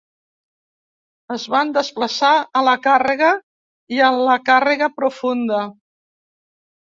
Es van desplaçar a la càrrega i a la càrrega profunda.